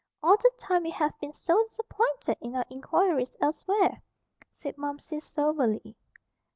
"All the time we have been so disappointed in our inquiries elsewhere," said Momsey soberly.